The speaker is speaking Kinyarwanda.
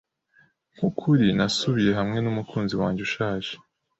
Nkukuri, nasubiye hamwe numukunzi wanjye ushaje.